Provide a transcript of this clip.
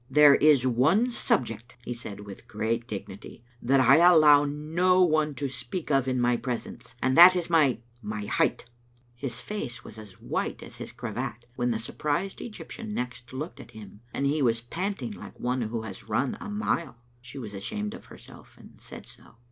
"There is one subject," he said, with great dignity, " that I allow no one to speak of in my presence, and that is my — my height. " His face was as white as his cravat when the sur prised Egyptian next looked at him, and he was panting Digitized by VjOOQ IC Oontinued Atobebavtour. i^ like one who has run a mile. She was ashamed of her self, and said so.